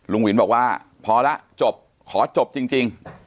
ลุงวินบอกว่าพอละจบขอจบจริง